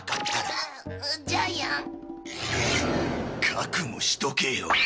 覚悟しとけよ。